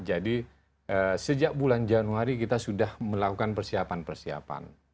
jadi sejak bulan januari kita sudah melakukan persiapan persiapan